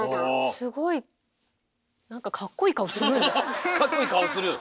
すごいなんかかっこいい顔するんです。